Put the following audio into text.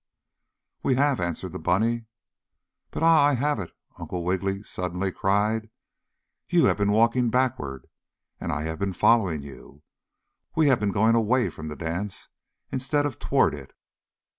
"We have," answered the bunny. "But Ah! I have it!" Uncle Wiggily suddenly cried. "You have been walking BACKWARD, and I have been following you. We have been going =away= from the dance instead of =toward= it."